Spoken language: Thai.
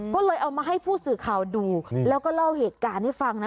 ก็เลยเอามาให้ผู้สื่อข่าวดูแล้วก็เล่าเหตุการณ์ให้ฟังนะ